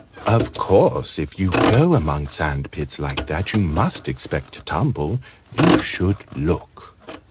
Of course if you go among sand pits like that, you must expect to tumble. You should look."